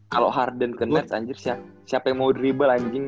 kalau harden ke nets ange siapa yang mau dribble anjing